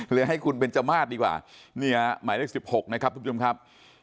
ให้คุณเบนจมาสดีกว่านี่ฮะหมายเลข๑๖นะครับทุกผู้ชมครับ